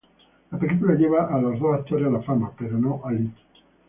La película llevó a los dos actores a la fama, pero no a Lee.